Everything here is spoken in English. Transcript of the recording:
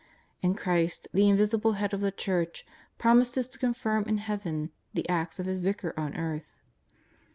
And Christ, the invisible Head of the Church, promises to con firm in Heaven the acts of His Vicar on earth.